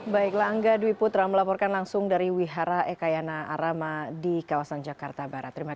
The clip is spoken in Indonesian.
baiklah angga dwi putra melaporkan langsung dari wihara ekayana arama di kawasan jakarta barat